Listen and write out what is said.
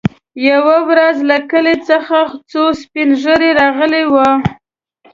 يوه ورځ له کلي څخه څو سپين ږيري راغلي وو.